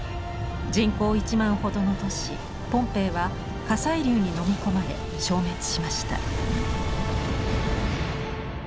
人口１万ほどの都市ポンペイは火砕流に飲み込まれ消滅しました。